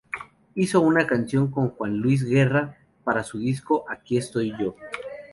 Hizo una canción con Juan Luis Guerra para su disco "Aquí estoy yo".